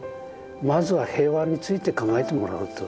まずは平和について考えてもらうと。